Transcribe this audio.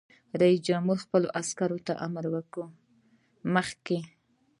رئیس جمهور خپلو عسکرو ته امر وکړ؛ مخکې!